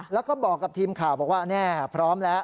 แล้วก็บอกกับทีมข่าวบอกว่าแน่พร้อมแล้ว